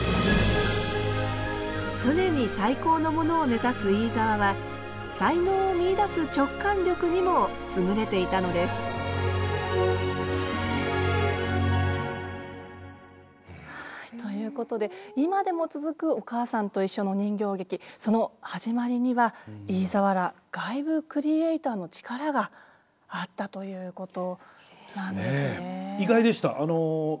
常に最高のものを目指す飯沢は才能を見いだす直感力にも優れていたのですはいということで今でも続く「おかあさんといっしょ」の人形劇その始まりには飯沢ら外部クリエイターの力があったということなんですね。